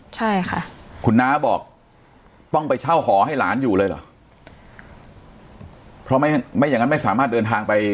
ใช่ค่ะคุณน้าบอกต้องไปเช่าหอให้หลานอยู่เลยเหรอเพราะไม่ไม่อย่างงั้นไม่สามารถเดินทางไป